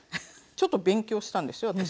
ちょっと勉強したんですよ